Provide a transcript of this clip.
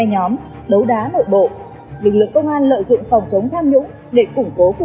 công tác đấu tranh phòng chống tham nhũng tiêu cực